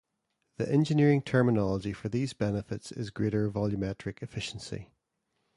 The engineering terminology for these benefits is greater volumetric efficiency.